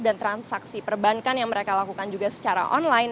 dan transaksi perbankan yang mereka lakukan juga secara online